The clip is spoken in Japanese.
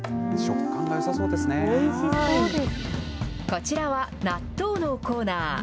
こちらは納豆のコーナー。